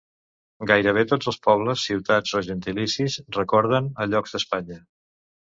Gairebé tots els pobles, ciutats o gentilicis recorden a llocs d'Espanya.